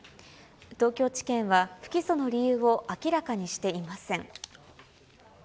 東京地検は不起訴の理由を明らかにしていません。